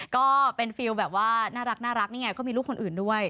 ก็เป็นฟิลแบบว่าน่ารักนี่ไงก็มีลูกคนอื่นด้วย